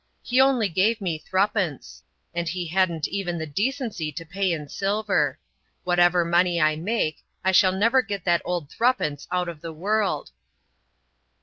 He only gave me threepence; and he hadn't even the decency to pay in silver. Whatever money I make, I shall never get that odd threepence out of the world."